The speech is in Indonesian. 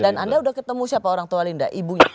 dan anda udah ketemu siapa orang tua linda ibunya